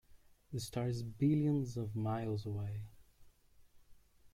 The star is billions of miles away.